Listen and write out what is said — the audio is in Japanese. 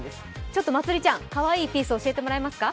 ちょっとまつりちゃんかわいいピース教えてくれますか？